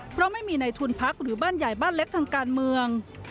เพราะไม่มีในทุนพักหรือบ้านใหญ่บ้านเล็กทางการเมือง